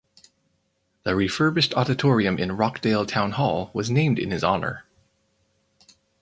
The refurbished auditorium in Rockdale Town Hall was named in his honour.